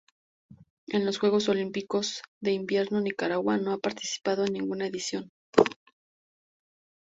En los Juegos Olímpicos de Invierno Nicaragua no ha participado en ninguna edición.